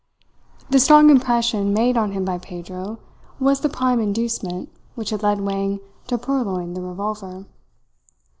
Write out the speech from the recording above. The strong impression made on him by Pedro was the prime inducement which had led Wang to purloin the revolver.